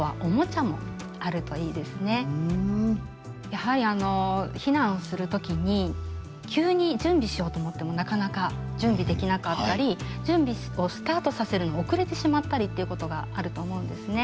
やはり避難をする時に急に準備しようと思ってもなかなか準備できなかったり準備をスタートさせるの遅れてしまったりっていうことがあると思うんですね。